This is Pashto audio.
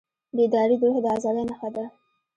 بیداري د روح د ازادۍ نښه ده.